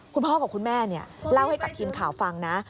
คุณพ่อกับคุณแม่เล่าให้กับทีมข่าวฟังนะ